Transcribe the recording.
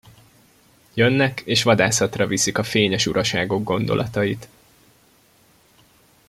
Jönnek, és vadászatra viszik a fényes uraságok gondolatait.